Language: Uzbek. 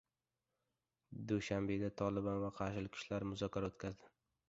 Dushanbeda “Tolibon” va qarshilik kuchlari muzokara o‘tkazadi